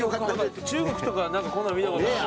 中国とかこんなん見たことある。